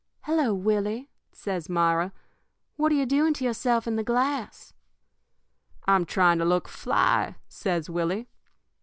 "'Hello, Willie!' says Myra. 'What are you doing to yourself in the glass?' "'I'm trying to look fly,' says Willie.